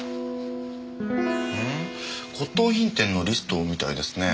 骨董品店のリストみたいですね。